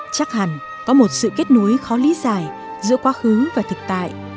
chắc hẳn có một sự kết nối khó lý giải giữa quá khứ và thực tại